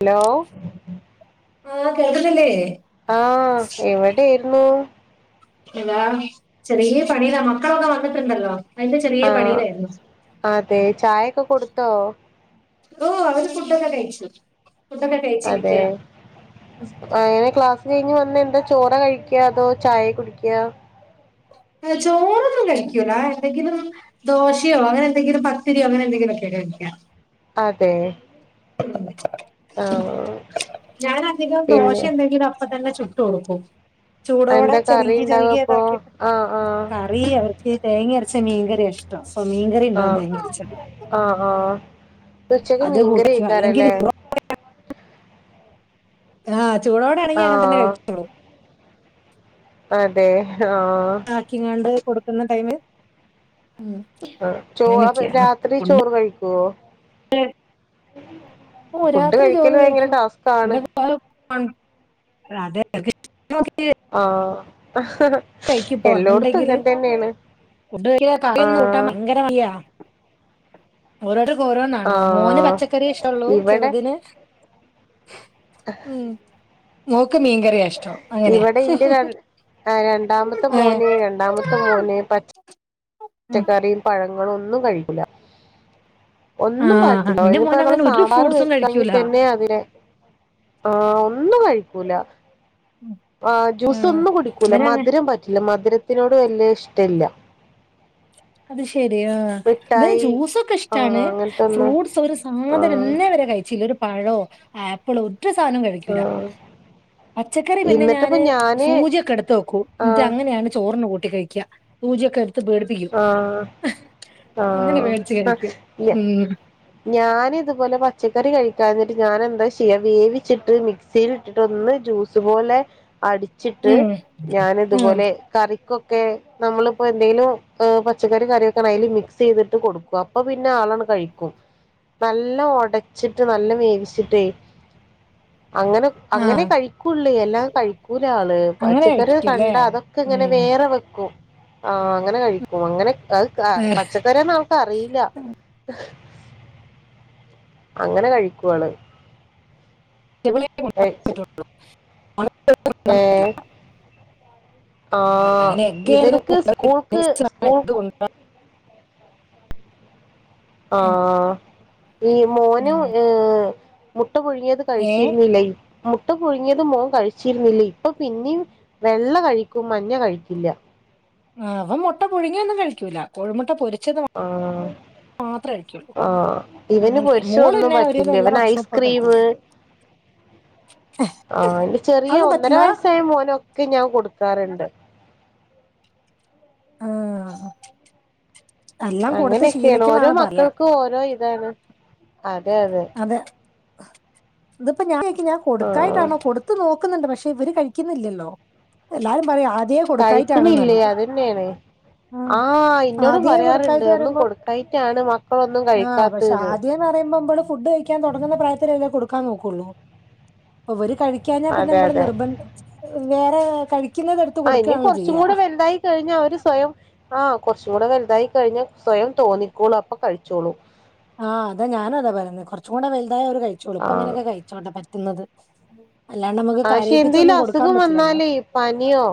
Hello ആഹ് കേക്ക്ന്ന്ല്ലേ ആഹ് എവടേര്ന്നു ആഹ് ചെറിയേ പണീല മക്കളൊക്ക വന്ന്ട്ട്ണ്ടല്ലോ അയ്ന്റെ ചെറിയേ പണീലായിര്ന്നു അതേ ചായൊക്കെ കൊടുത്തോ ഓ അവര് ഫുഡൊക്കെ കയിച്ചു അതേ അങ്ങനെ ക്ലാസ് കഴിഞ്ഞ് വന്നെന്താ ചോറാ കഴിക്ക അതോ ചായേ കുടിക്കാ ആഹ് ചോറൊന്നും കഴിക്കൂല എന്തെങ്കിലും ദോശയോ അനെന്തെങ്കിലും പത്തിരിയോ അങ്ങനെന്തെങ്കിലൊക്കെ കഴിക്കാ അതെ ആഹ് ഞാനധികം പിന്നെ ദോഷെയെന്തെങ്കിലും അപ്പത്തന്നെ ചുട്ട് കൊട്ക്കും ചൂടോടെ എന്താ കറി ചെറിയ്യ ഉണ്ടാവ അപ്പൊ ചെറിയ്യതാക്കീട്ട് ആഹ് ഈ അവർക്ക് തേങ്ങരച്ച മീൻകറിയാ ഇഷ്ടം അപ്പൊ മീൻകറിണ്ടാവും ആഹ് തേങ്ങരച്ചത് ആഹ് ആഹ് അപ്പുച്ചക്ക് അത് കൂട്ടിക്കും അല്ലെങ്കിൽ മീൻകറിയയ്ക്കാരല്ലേ ആഹ് ചൂടോടെയാണെങ്കി അങ്ങൻതന്നെ ആഹ് കഴിച്ചോളും അതേ ആഹ് ആക്കിങ്ങാണ്ട് കൊടുക്കുന്ന ടൈമില് ഉം ആഹ് ചോ അപ്പ രാത്രി ചോറ് കഴിക്കോ ഓ ഫുഡ് രാത്രി ചോറ് കഴിക്കല് ഭയ്ങ്കര കഴിക്കും ടാസ്ക്കാണ് [unintelligible] ആഹ് കയ്ക്കുപ്പ എല്ലോടത്തും വന്ന്ണ്ടെങ്കില് ഇങ്ങനെ തന്നെയാണ് ഫുഡ് [unintelligible] കറിയൊക്ക കൂട്ടാൻ ആഹ് ഭയ്ങ്കര മടി‌യാ ഓരോര്ത്തരിക്കോരോന്നാണ് മോന് ആഹ് പച്ചക്കറിയെ ഇഷ്ട്ടൊള്ളൂ ഇവിടെ ചെറ്തിന് അഹ് ഉം മോക്ക് മീൻകറിയാ ഇഷ്ടം അങ്ങനെയാ ഇവിടെ ഇന്റെ ര ആഹ് രണ്ടാമത്തെ ഏ മോന് രണ്ടാമത്തെ മോന് ഉം പച്ചക്കറിയും പഴ ങ്ങളൊന്നും കഴിക്കൂല ആ ഒന്നും പറ്റൂല എന്റെ ഓന്പ്പോ മോൻ നമ്മള് അങ്ങനെ ഒരു സാമ്പാറ് ഫ്രൂട്ട്സും വെക്കാണങ്കി കഴിക്കൂല ആ തന്നെ അതിന് ആഹ് ഒന്നും കഴിക്കൂലാ ആഹ് ജ്യുസൊന്നും കുടിക്കൂല ഇവനങ്ങ മധുരം പറ്റില്ല മധുരത്തിനോട് വല്ല്യ ഇഷ്ട്ടില്ല അത് ശെരി ആഹ് ഇവന് മിഠായി ജ്യൂസൊക്കെ ആഹ് ഇഷ്ട്ടാണ് അങ്ങനത്തൊന്നും ഫ്രൂട്ട്സ് ഒരു സാധനം ആഹ് ഇന്നേ വരെ കഴിച്ചീല്ല പഴോ ആപ്പിളോ ഒര് സാനോം കഴിക്കൂല ആഹ് പച്ചക്കറി പിന്നെ ഞാന് സൂചിയൊക്കെ എട്ത്ത് വെക്കും ആഹ് ഇന്നിട്ടങ്ങനെയാണ് ചോറിന് കൂട്ടി കഴിക്ക്യ സൂചിയൊക്കെടുത്ത് പേടിപ്പിക്കും ആഹ് അങ്ങനെ പേടിച്ച് കഴിക്കും ഉം ഞാനിത്പോലെ പച്ചക്കറി കഴിക്കാഞ്ഞിട്ട് ഞാനെന്താ ചെയ്യ വേവിച്ചിട്ട് മി ക്സീലിട്ടിട്ട് ഒന്ന് ജ്യൂസ് പോലെ അടി ച്ചിട്ട് ഉം ഉം ഞാനിത്പോലെ കറിക്കൊക്കെ നമ്മളിപ്പോ എന്തെങ്കിലും ഏഹ് പച്ചക്കറിം കറിയൊക്കാണെ അയ്ല് മിക്സ് ചെയ്തിട്ട് കൊടുക്കും അപ്പൊ പിന്നെ ആളങ്ങട് കഴിക്കും നല്ലം ഒടച്ചിട്ട് നല്ലം വേവിച്ചിട്ടെയ് അങ്ങനെ അങ്ങനേ ആഹ് കഴിക്കുള്ള് അല്ലാതെ കഴിക്കൂലാള് അങ്ങനെ പച്ചക്കറിയൊക്കെ കഴിക്കുംല്ലേ കണ്ടാ അതൊ‌ക്കിങ്ങനെ ഉം വേറെ വെക്കും ആഹ് അങ്ങനെ കഴിക്കും അങ്ങനെ അത് അഹ് പച്ചക്കറി ആന്ന് ആവൾക്ക് അറിയില്ല അങ്ങനെ കഴിക്കുവള് [unintelligible] ഏഹ് ഉം ആഹ് അങ്ങനെ എഗ് ആയിരുന്നു ഇവൻക്ക് സ്കൂൾക്ക് സ്കൂൾ ആഹ് ഈ മോന് ഏഹ് മുട്ട പുഴുങ്ങിയത് ഏഹ് കഴിച്ചിരുന്നില്ലേയ് മുട്ട പുഴുങ്ങിയത് മോൻ കഴിച്ചിരുന്നില്ല ഇപ്പൊ പിന്നിം വെള്ള കഴിക്കും മഞ്ഞ കഴിക്കില്ല ആഹ് അവൻ മൊട്ട പുഴുങ്ങിയൊന്നും കഴിക്കൂല്ല കോഴിമുട്ട പൊരി ആഹ് ആഹ് ഇവന് അങ്ങനെ പൊരിച്ച മോള് ഒന്നും പിന്നെ പറ്റില്ല ഒരുവിധം എല്ലാ ഇവന് ഭക്ഷണവും ഇപ്പൊ ഐസ്ക്രീമ് കഴിക്കും ആഹ് ന്റെ ചെറിയ അതൊന്നും ഒന്നര പറ്റില്ല വയസ്സായ മോന് ക്ക് ഞാൻ കൊടുക്കാറെണ്ട് ഉം അങ്ങനെക്കെയാണ് ഓരോ പറയാ മക്കൾക്കും ഓരോ ഇതാണ് അതെ ഇതിപ്പോ ഞാൻ എനിക്ക് ഞാൻ ആ കൊടുക്കായിട്ടാണോ കൊടു ത്ത് നോക്കുന്നുണ്ട് പക്ഷെ ഇവര് കഴിക്കുന്നില്ലല്ലോ എല്ലാരും പറയും ആദിയേം കഴിക്കിണില്ല്യേ അതെന്നേണ് ഉം ആഹ് ഇന്നോട് ആദ്യേ പറയാറുണ്ട് കൊടുക്കായിട്ട് ഒന്നും പറയുമ്പോ കൊടുക്കായിട്ടാണ് മക്കളൊന്നും ആഹ് പക്ഷെ കഴിക്കാത്തതിന്ന് ആദ്യംന്ന് പറയുമ്പോ [unintelligible] ഫുഡ് കഴിക്കാൻ തൊടങ്ങുന്ന പ്രായത്തിലല്ലേ കൊടുക്കാൻ നോക്കുള്ളൂ അപ്പൊ ഇവര് കഴി കഴിക്കാഞ്ഞാ പിന്നെ അതെ നമ്മള് അതെ നിർബന്ധം വേറെ കഴി ആഹ് ഇനി കുറച്ചുംകൂടെ വെലുതായി കഴിഞ്ഞ അവര് സ്വയം ആഹ് കുറച്ചും കൂടെ വലുതായി കഴിഞ്ഞാൽ സ്വയം തോന്നിക്കോളും അപ്പൊ കഴിച്ചോളും. ആഹ് അതാ ഞാനും അതാ പറയേ കുറച്ചും കൂടെ വലുതായാല് കഴിച്ചോളും ഇപ്പ ആഹ് അങ്ങനെയൊക്കെ കഴിച്ചോട്ടെ പറ്റുന്നത്. അല്ലാണ്ട് നമുക്ക് പക്ഷെ എന്തേലും കരയിപ്പിച്ചൊന്നും കൊടുക്കാൻ അസുഖം പറ്റില്ലല്ലോ? വന്നാലേ പനിയോ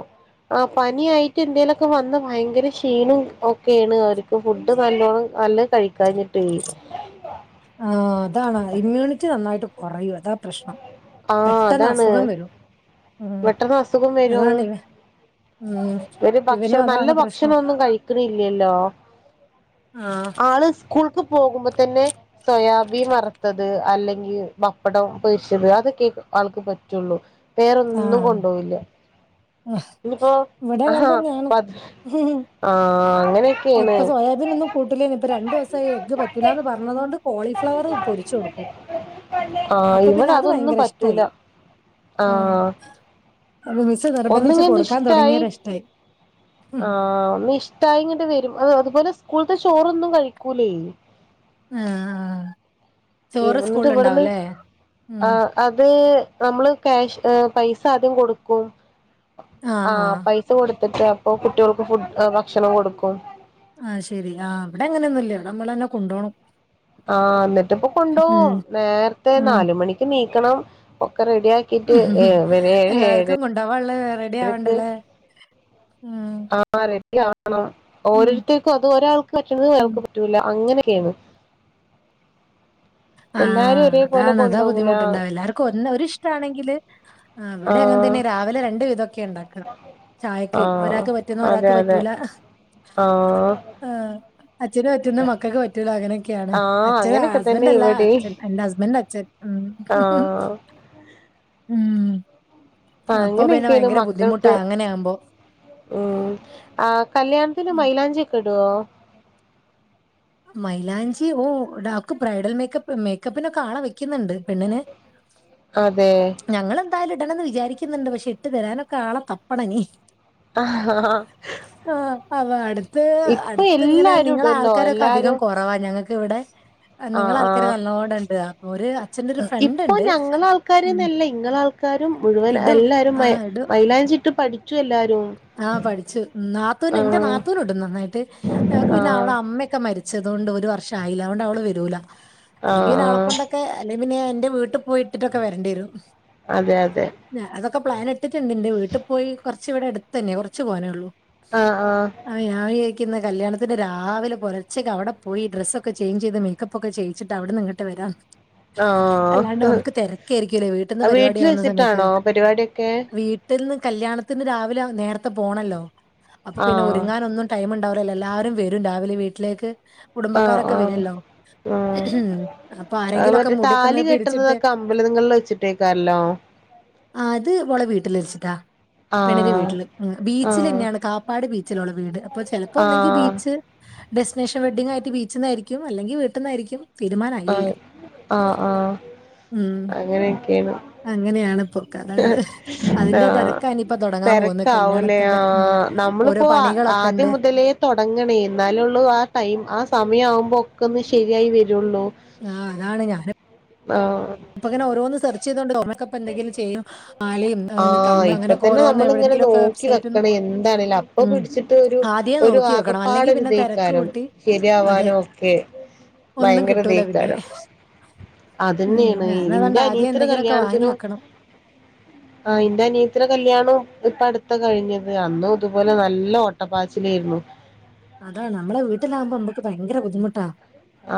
ആ പനിയായിട്ട് എന്തേലൊക്കെ വന്ന് ഭയങ്കര ക്ഷീണം ഒക്കെയാണ് അവർ ഫുഡ് നല്ലോണം നല്ല കഴിക്കാഞ്ഞിട്ട്. ആ അതാണ് ഇമ്മ്യൂണിറ്റി നന്നായിട്ട് കുറയും അതാ പ്രശ്നം. ആഹ് പെട്ടെന്ന് അതാണ് അസുഖം വരും ഉം പെട്ടെന്ന് അസുഖം വരും. അതാണ് ഉം ഒരു ഇവനും ഭക്ഷണം നല്ല അതാണ് പ്രശ്നം ഭക്ഷണം ഒന്നും കഴിക്കണില്ലല്ലോ ആഹ് ആള് സ്കൂൾക്ക് പോകുമ്പോ തന്നെ സോയാബീൻ വറുത്തത്, അല്ലെങ്കിൽ പപ്പടം പൊരി ച്ചത്, അതൊക്കെ ആൾക്ക് പറ്റുള്ളൂ. വേറെ ഒന്നും ആഹ് കൊണ്ടോണില ഇനിപ്പോ ഇവിടെ അങ്ങനെ ആഹാ തന്നെയാണ് പത് ആഹ് അങ്ങനെ ഇപ്പൊ സോയാബീൻ ഒന്നും കൂട്ടുല്ലയിന് ഇപ്പൊ രണ്ട് ദിവസമായി എഗ് പറ്റൂല്ല എന്ന് പറഞ്ഞതുകൊണ്ട് കോളിഫ്ലവർ പൊരിച്ച് കൊടുകും. ആഹ് ഇവിടെ അതൊന്നും പറ്റൂല ഇഷ്ടായി ഉം ആഹ്. അപ്പൊ മിസ് നിർബന്ധിച്ച് ഒന്നിങ്ങണ്ട് കൊടുക്കാൻ ഇഷ്ടായി തുടങ്ങിയോരം ഇഷ്ടായി. ആഹ് ഒന്ന് ഇഷ്ട്ടായിങ്ങട്ട് വരും അതുപോലെ സ്കൂളത്തെ ചോറൊന്നും കഴിക്കൂലേ? ആഹ് ആ ചോറ് എന്നിട്ട് സ്കൂളിൽ ഇവിടുന്ന് ഉണ്ടാവുംല്ലേ ഉം ആഹ് അത് നമ്മള് കാഷ് പൈസ ആദ്യം കൊടുക്കും ആ ആഹ് പൈ ആഹ് പൈസ കൊടുത്തിട്ട് അപ്പോൾ കുട്ടികൾക്ക് ഫുഡ് ഭക്ഷണം കൊടുക്കും. ആഹ് ശരി ആഹ് അവിടെ അങ്ങനെയൊന്നും ഇല്ല ഇവിടെ നമ്മളന്നെ കൊണ്ടു പോകണം. ആ എന്നിട്ട്പ്പൊ കൊണ്ടുപോകും നേരത്തെ ഉം നാലുമണിക്ക് നീക്കണം ഒക്കെ റെഡിയ ആക്കി [unintelligible] [unintelligible] റെഡി ആവണ്ടല്ലേ ഉം ആ റെഡി ആവണം ഉം ഓരോരുത്തേക്കും അത് ഒരാൾക്ക് പറ്റണത് ഒരാ ഉം ൾക്ക് പറ്റൂല്ല അങ്ങനെയൊക്കെയാണ് ആഹ എല്ലാരും അതാ ഒരേപോലെ അതാ കൊണ്ടോവൂല ബുദ്ധിമുട്ടുണ്ടാവ. എല്ലർക്കും ഒന്ന് ഒരിഷ്ടമാണെങ്കില്. ആ അവിടെ അങ്ങനെ ആഹ് തന്നെ രാവിലെ രണ്ടു വിതം ഒക്കെ ഉണ്ടാക്ക. ചായക്ക് ആഹ് ഒരാൾക്ക് പറ്റുന്നത് അതെ ഒരാൾക്ക് അതെ പറ്റൂല ആഹ് ആ അച്ഛന് പറ്റുന്ന മക്കൾക്ക് പറ്റൂലാ അങ്ങനെയൊക്കെയാണ്. ആഹ് അച്ഛന് അങ്ങനെയൊക്കെ തന്നെ ഹസ്ബൻറ് അല്ല. ഇവിടെയും അച്ഛൻ എന്റെ ഹസ്ബൻഡ് അച്ഛൻ ഉ ഉ ആഹ് ഉമ് ആ അങ്ങനെക്കെയാണ് മക്കൾക്ക്. അങ്ങനെയാകുമ്പോ മ് ആ കല്യാണത്തിന് ഉം മൈലാഞ്ചിക്കെ ഇടോ? മൈലാഞ്ചി ഓ ഇടാം ബ്രൈഡൽ മേക്കപ്പ് മേക്കപ്പിനൊക്കെ ആളെ വെക്കുന്നുണ്ട് പെണ്ണിന്. [inaudible] അതെ. ഞങ്ങളെന്തായാലും ഇടണന്ന് വിചാരിക്കുന്നുണ്ട്. പക്ഷെ ഇട്ട് തരാനൊക്കെ ആളെ തപ്പണനി. ആഹ് ആഹ് ആഹാ അ അടുത്ത് അടുത്ത് ഇങ്ങനെ എല്ലാരും നിങ്ങളെ ഇടുല്ലോ ആൾക്കാരൊക്കെ എല്ലാരും കുറവാ ഞങ്ങൾക്കിവിടെ. ആഹ് നിങ്ങളെൾക്കാര് ആഹ് നല്ലോണണ്ട് അപ്പൊ ഒരു അച്ഛന്റെ ഒരു ഫ്രണ്ട് ഉണ്ട്. ഉമ് ആക്കാരും മുഴുവൻ എല്ലാരും മൈ മൈലാഞ്ചി ഇട്ട് പഠിച്ചു എല്ലാരും. ആഹ പഠിച്ചു നാത്തൂന് എന്റെ ആഹ് നാത്തൂന് ഇടും നന്നായിട്ട് അവക്ക് പിന്നെ ആഹ് അവളെ അമ്മയൊക്കെ മരിച്ച ച്ചതോണ്ട് ഒരു വർഷ ആയില്ല അതോണ്ട് അവള് വരൂല അല്ലെങ്കിൽളെ ആഹ് കൊണ്ട്. അല്ലെ പിന്നെ എന്റെ വീട്ടിൽ പോയിട്ടിട്ടൊക്കെ വരണ്ടി വരും. അതെ അതെ. ഞാ അതൊക്കെ പ്ലാൻക്കെട്ടിട്ടുണ്ട്. ന്റെ വീട്ടിൽ പോയി കുറച്ച് ഇവിടെ എടുത്തു തന്നെ കുറച്ച് പോനോളു. ആഹ് ആഹ്. ആ ഞാ വിചഴിക്കുന്ന കല്യാണത്തിന്റെ രാവിലെ പുലർച്ചേക്ക് അവിടെ പോയി ഡ്രസ്സൊക്കെ ചേഞ്ച് ചെയ്ത് മേക്കപ്പ് പ്പൊക്കെ ചെയ്യിച്ചിട്ട് അവിടെ നിന്ന് ഇങ്ങട്ട് വരാം. അല്ലാണ്ട ആഹ് ആഹ് നമുക്ക് തിരക്കേരിക്കുംല്ലേ വീട്ടിൽന്ന് പരിപാടി വീട്ടിൽ ആവുന്ന സമയത്ത് വെച്ചിട്ടാണോ പരിപാടിയൊക്കെ വീ ട്ടീന്ന് കല്യാണത്തിന് രാവിലെ നേരത്തെ പോണല്ലോ അപ്പൊ പിന്നെ ആഹ് ഒരുങ്ങനൊന്നും ടൈം ഉണ്ടാവുല്ലല്ലോ എല്ലാരും വരും രാവിലെ വീട്ടിലേക്ക് ആഹ് കുടുംബക്കാരൊക്കെ ആഹ് വരുല്ലോ. ആഹ് അപ്പൊ അത് ആരെങ്കിലൊക്കെ മറ്റേ മുടിക്കെന്ന് താലി പിടിച്ചിട്ട് കെട്ടുന്നതൊക്കെ അമ്പലങ്ങളിൽ വെച്ചിട്ടേക്കാരല്ലോ ആ അത് ഓളെ വീട്ടിൽ വച്ചിട്ടാ പെണ്ണിന്റെ ആഹ് വീട്ടില് ഉം ആഹ് ബീച്ചിലെന്നെയാണ് കാപ്പാട് ബീച്ചിലുള്ള വീട് അപ്പൊ ചെലപ്പോൊന്നെങ്കി ആഹ് ബീച്ച് ഡെസ്റ്റിനേഷൻ വെഡിംഗ് ആയിട്ട് ബീച്ചിന്നായിരിക്കും അല്ലെങ്കിൽ വീട്ടിൽന്നായിരിക്കും. തീരുമാനയില്ല ആഹ് ഉം. അങ്ങനൊക്കെയാണ്. അങ്ങനെയാണ് ഇപ്പൊ കഥകള് അതിന്റെ ആഹ് തിരക്കനിയിപ്പോ തുടങ്ങാൻ പോകുന്നത് തിരക്കാവൂലേ കല്യാണത്തിന്റെ ഉം. ആഹ് ഓരോ പണികളൊക്കെണ്ട്. തൊടങ്ങണേ എന്നാലള്ളൂ ആ ടൈം ആ സമയം ആവുമ്പോ ഒക്കെ ഒന്ന് ശരിയായി വരുള്ളൂ. ആ അതാണ് ഞാനും ആഹ്. പ്പ ഇങ്ങനെ ഓരോന്ന് സെർച്ച് ചെയ്തോണ്ട് [unintelligible] നമ്മക്ക് എന്തങ്കിലും ചെയ്യും മാലയും ആഹ് കമ്മലും ഇപ്പൊ അങ്ങനെയൊക്കെ തന്നെ ഓരോന്ന് നമ്മളിങ്ങനെ എവിടെയെങ്കിലുമൊക്കെ നോക്കി വെബ്സൈറ്റിന്ന് വെക്കണേ എന്താണേല് അപ്പൊ ഉം പിടിച്ചി ട്ട്പ്പൊരു ആദ്യമേ ഒരു നോക്കി വെക്കണം അല്ലെങ്കിൽ പിന്നെ തിരക്ക് ആകപ്പാടെത്തേക്കാരിയ കൂട്ടി അതെ ശരിയാവാനും ഒക്കെ ഒന്നും കിട്ടൂല പിന്നെ ഭയങ്കരത്തേക്കാരം ഉം അതെന്നാണ്. ഇന്റെ ഞാനതുകൊണ്ട് ആദ്യം അനിയത്തീടെ എന്തെങ്കിലുമൊക്കെ കല്യാണത്തിനും [inaudible] ആഹ് എന്താ നീ ത്തിടേകല്യാണവും ഇപ്പ അടുത്ത കഴിഞ്ഞത് അന്നും ഇതുപോലെ നല്ല ഓട്ടപ്പാച്ചിലേരുന്നു. അതാണ് നമ്മുടെ വീട്ടിലവുമ്പോ മ്മക്ക് ഭയങ്കര ബുദ്ധിമുട്ടാ.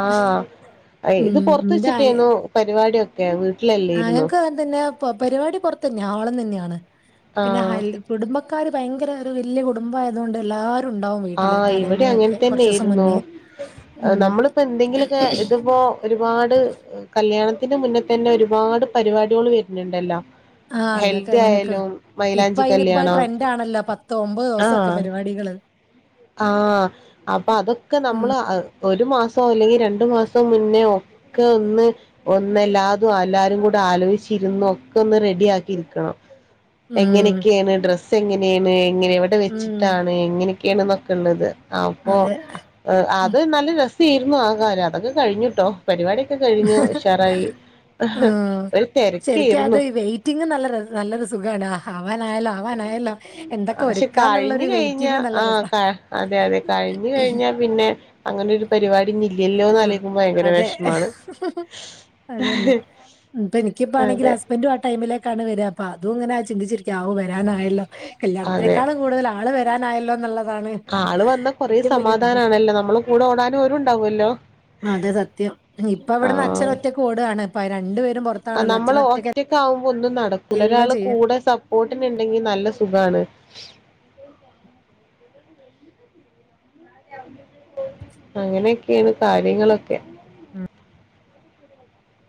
ആഹ് ഉം ഇത് പൊറത്ത് എന്റെ വെച്ചിട്ടേന്നു പരിപാടിയൊക്കെ വീട്ടിലെല്ല ആഹ് ഞങ്ങക്ക് അങ്ങനെ തന്നെ പ പരിപാടി പുറത്ത തന്നെ ഹോൾ തന്നെയാണ് പിന്നെ ആഹ് ഹൽ കുടുംബക്കാര് ഭയങ്കര ഒരു വല്ല്യ കുടുംബം ആയത് കൊണ്ട് എല്ല ആഹ് ഇവിടെ അങ്ങനെ തന്നെ യൊരുന്നു മുന്നേ ഉം നമ്മളിപ്പോ എന്തെങ്കിലുമൊക്കെ ഇതിപ്പോ ഒരുപാട് കല്യാണത്തിന് മുന്നേ തന്നെ ഒരുപാട് പരിപാടികൾ വരുന്നുണ്ടല്ലോ. ആഹ് അങ്ങക്ക് ഹെൽദി അങ്ങനെയൊക്കെ ആയാലും ഇപ്പൊ മൈലാഞ്ചി അയിനിപ്പ കല്യാണം ട്രെൻഡ് ആണല്ലോ പത്ത് ഒമ്പത് ദിവസൊക്കെ ആഹ് പരിപാടികള് ആഹ് അപ്പൊ അതൊക്കെ നമ്മള് അ ഒരു മാസോ അല്ലെങ്കിൽ രണ്ടു മാസോ മുന്നെയോ.? ക്ക ഒന്ന്. ഒന്നല്ലാതും അല്ലാരും കൂടെ ആലോചിച്ചിരുന്ന് ഒക്കെ ഒന്ന് റെഡിയാക്കിയിരിക്കണം. ഉം എങ്ങനെയൊക്കെയാണ് ഡ്രസ്സ് എങ്ങനേണ് എങ്ങനെ എവിടെ ഉം വെച്ചിട്ടാണ്. എങ്ങനെയൊക്കെയാണൊന്നൊക്കെള്ളത്. അപ്പൊ അതെ ഹ് ഉം അത് നല്ലൊരു രസേയ്രുന്നു ആ കാലം അതൊക്കെ കഴിഞ്ഞുട്ടോ. പരിപാടിയൊക്കെ കഴിഞ്ഞു ഉഷാറായി. ആ ഒരു ശരിക്കത് തിരക്കായിരുന്നു ഇ വെയ്റ്റിംഗ് നല്ല നല്ലൊരു സുഖാണ് ആവാനായല്ലോ ആവാനായല്ലോ.? എന്തൊക്കെ ക്ഷെ കഴിഞ്ഞ് ഒരുക്കാന്നുള്ളൊരു കഴിഞ്ഞ വെയിറ്റിംഗ് നല്ല ആഹ്. രസാ അ അതെ അതെ കഴിഞ്ഞു കഴിഞ്ഞാൽ പിന്നെ അങ്ങനെരു പരിപാടി. പിന്നെ ഇല്ലല്ലോന്ന് ആഹ് അലേക്കുമ്പോ ഭയങ്കര അതെ വെഷ്മാണ്. അതന്നെ ഇപ്പൊ എനിക്കപ്പാണെങ്കിൽ ഹസ്ബൻഡും ആ ടൈമിലേക്കാണ് വെരാ. പ്പതുംങ്ങനെ ചിന്തിച്ചിരിക്ക ആവു വരാനായല്ലോ അതെ കല്യാണത്തിനേക്കാൾ കൂടുതൽ ആൾ വര. രാനായല്ലോ എന്നുള്ളതാണ്. ആള് വന്ന കൊറെേ ഏറ്റവും വലിയ സന്തോഷം സമാധാനണല്ലോ നമ്മളെ കൂടെ ഓടാൻ ഓരും ണ്ടാവുല്ലോ?. അതെ സത്യം ഇപ്പൊ വിടുന്ന് അച്ഛനൊറ്റയ്ക്ക് ഓടാണ് ഇപ്പ രണ്ടു പേരും പൊറ. ആഹ് നമ്മൾ ഒറ്റക്കാവുമ്പോ ഒന്നും നടക്കൂല എല്ലാം ഒരാള് ചെയ്യാ കൂടെ സപ്പോർട്ടിനുണ്ടെങ്കിൽ നല്ല സുഖാണ്. അങ്ങനെയൊക്കെയാണ് കാര്യങ്ങളൊക്കെ.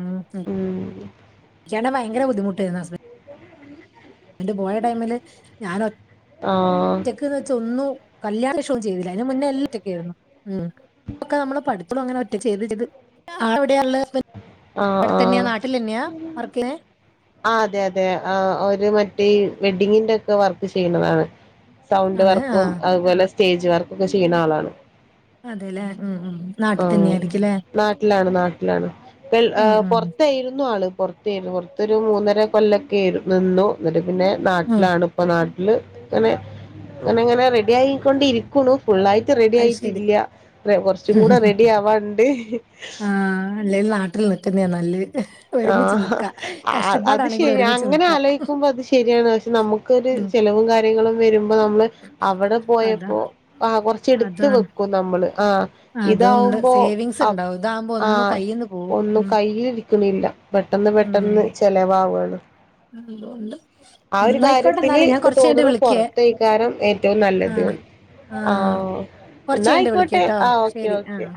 ഉം ഉം എനിക്കാണെ ഭയങ്കര ബുദ്ധിമുട്ടേയ്രുന്നു ഹസ്ബൻ. ന്റ് പോയ ടൈമില് ഞനൊ. ആഹ്. ചെക്ക്ന്ന് വെച്ച ഒന്നും കല്യാണെഷം ചെയ്തില്ല അതിന് മുന്നേ എല്ലാ ഒറ്റക്കെയ്തു. ഉം. ഒക്കെ നമ്മൾ പഠിപ്പ്‌ലും അങ്ങനെ ഒറ്റക്ക് ചെയ്ത് ചെയ്ത് ആളൊവ്ടേയാ ള്ള് ഹസ്‌ബൻ ആഹ് ആഹ്. വർക്ക് ചെയ്യുന്നത് ആഹ് അതെ അതെ ആ ഓര് മറ്റേ ഈ വെഡ്ഡിങ്ങിന്റെ ഒക്കെ വർക്ക് ചെയ്യുന്നതാണ്. സൗണ്ട് ആണ് വർക്കും ആ അത് പോലെ സ്റ്റേജ് വർക്കൊക്കെ ചെയ്യ്ണ ആളാണ്. അതെല്ലേ ഉം ഉം നാട്ടിൽ ആഹ് തന്നെയായിരിക്കുംല്ലേ നാട്ടിലാണ് നാട്ടിലാണ് പെയ് ഉം ഉം പുറത്തേയ്രുന്നു ആള്. പൊർത്തേനു പൊർത്തൊരു മൂന്നര കൊല്ലൊക്കെ ര് നിന്നു ന്നിട്ട് പിന്നെ ഉം നാട്ടിലാണ് ഇ. ഇപ്പൊ നാട്ടില് ങ്ങനെ ങ്ങനെ ങ്ങനെ റെഡി ആയിക്കൊണ്ടിരിക്കുണു. ഫുുള്ളായിറ്റ് റെഡി അത് ശരി ആയിറ്റില്ല്യ. റെ കുറച്ചും കൂടെ റെഡി ആവാണ്ട്. ആഹ് അല്ലേൽല് നാട്ടിൽ നിൽക്കുന്നേ നല്ലെ. ആഹ് അ അത് ശരി ഒരുമിച്ച് അങ്ങനെ നിക്കാ ആലോയിക്കുമ്പോ അത് ശരിയാണ് ക്ഷെ നമുക്കൊരു ഉം ചെലവും കാര്യ ര്യങ്ങളും വരുമ്പോ നമ്മള്. അവിടെ അതാ പോയാപ്പോ ആഹ് കൊറച്ച് എടുത്ത് അതാണ് വെക്കും നമ്മള് ആഹ് അതുണ്ട് ഇതാവുമ്പോ സേവിങ്സ് അത് ഉണ്ടാവും ഇതാകുമ്പോ ഒന്നും ആഹ് കയ്യിന്ന് പോവും ഒന്നു ഉം കയ്യിൽ ഇ. ക്കലില്ല പെട്ടെന്ന് പെട്ടെന്ന് ചെലവാവാണ്. [unintelligible] ഉണ്ട്. ആ ഒരു കാര്യത്തില് ൻക് തോന്ന്ണു പുറത്തേക്കാരം ഏറ്റവും നല്ലത്. ആഹ് ആഹ് കൊറച്ച് ന്നാ കഴിഞ്ഞിട്ട് ആയിക്കോട്ടെ വിളിക്കാട്ടോ ആഹ് ഓക്കെ ശരി ഓക്കെ. ആഹ്